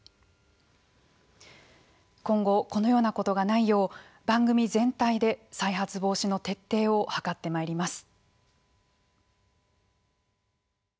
今後、このようなことがないよう番組全体で、再発防止の徹底を図ってまいります。